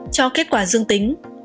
cho kết quả dương tính